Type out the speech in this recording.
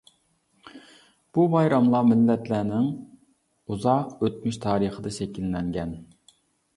بۇ بايراملار مىللەتلەرنىڭ ئۇزاق ئۆتمۈش تارىخىدا شەكىللەنگەن.